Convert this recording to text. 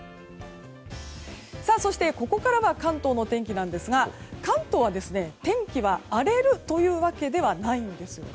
そして、ここからは関東のお天気なんですが関東は、天気は荒れるというわけではないんですね。